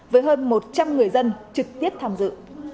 với hơn một trăm linh người dân trực tiếp tham dự